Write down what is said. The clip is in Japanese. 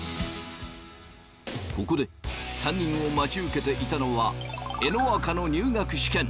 ここで３人を待ち受けていたのはえのアカの入学試験。